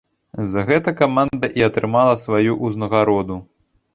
За гэта каманда і атрымала сваю ўзнагароду.